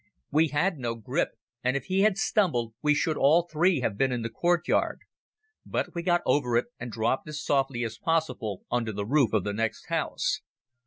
We had no grip, and if he had stumbled we should all three have been in the courtyard. But we got it over, and dropped as softly as possible on to the roof of the next house.